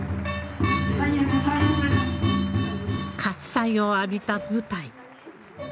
喝采を浴びた舞台。